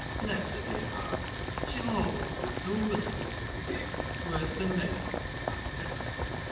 Bless her dear heart, she always was so wilful." '* Worse than me ?'^ asked Ted.